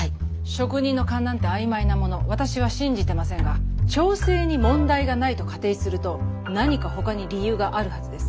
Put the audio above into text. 職人の勘なんて曖昧なもの私は信じてませんが調整に問題がないと仮定すると何かほかに理由があるはずです。